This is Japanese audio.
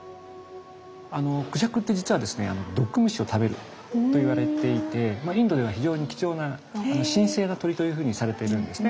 クジャクって実はですねといわれていてインドでは非常に貴重な神聖な鳥というふうにされているんですね。